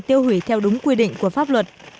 tiêu hủy theo đúng quy định của pháp luật